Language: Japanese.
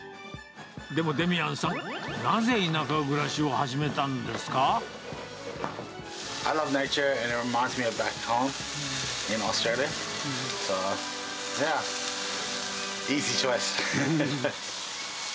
でも、デミアンさん、なぜ田舎暮らしを始めたんですか？